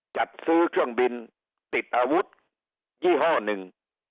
จัดซื้อเครื่องบินติดอาวุธยี่ห้อหนึ่ง